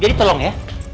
jadi tolong ya